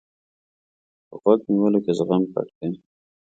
په غوږ نیولو کې زغم پټ دی.